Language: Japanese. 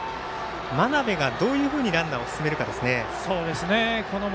真鍋がどういうふうにランナーを進めるかですね。